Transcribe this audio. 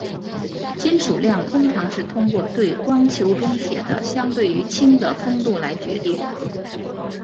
金属量通常是通过对光球中铁的相对于氢的丰度来决定。